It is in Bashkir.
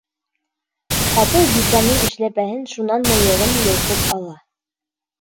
Ҡапыл Бикәнең эшләпәһен, шунан мыйығын йолҡоп ала.